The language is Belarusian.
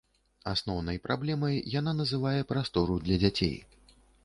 Асноўнай праблемай яна называе прастору для дзяцей.